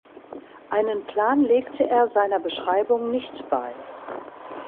Einen Plan legte er seiner Beschreibung nicht bei.